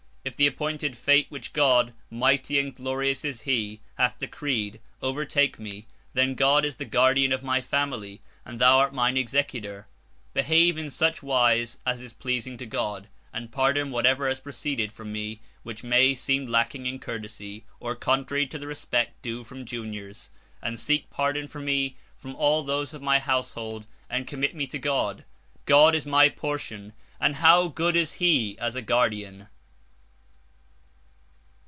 If the appointed fate which God (mighty and glorious is He) hath decreed overtake me, then God is the guardian of my family, and thou art mine executor: behave in such wise as is pleasing to God, and pardon whatever has proceeded from me which may seem lacking in courtesy, or contrary to the respect due from juniors: and seek pardon for me from all those of my household, and commit me to God. God is my portion, and how good is He as a guardian!'